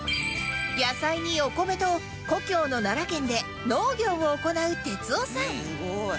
野菜にお米と故郷の奈良県で農業を行う哲夫さん